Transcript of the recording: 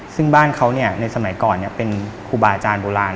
ซึ่งบ้านเขาในสมัยก่อนเป็นครูบาอาจารย์โบราณ